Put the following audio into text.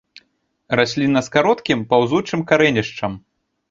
Расліна з кароткім, паўзучым карэнішчам.